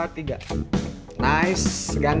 terima kasih bapak juga bisa